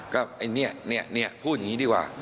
ก็เนี่ยเนี่ยเนี่ยพูดงี้ดีกว่า